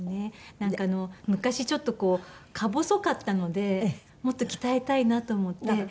なんか昔ちょっとこうか細かったのでもっと鍛えたいなと思って。